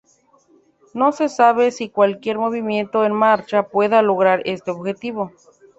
No se sabe si cualquier movimiento en marcha pueda lograr este objetivo.